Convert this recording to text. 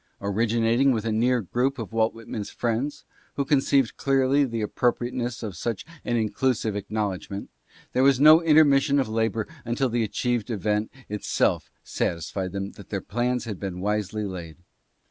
Originating with a near group of Walt Whitman's friends, who conceived clearly the ap propriateness of such an inclusive acknowledgment, there was no intermission of labor till the achieved event itself satisfied them that their plans had been wisely laid.